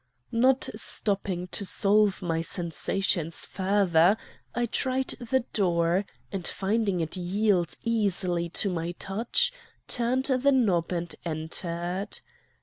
"Not stopping to solve my sensations further, I tried the door, and, finding it yield easily to my touch, turned the knob and entered.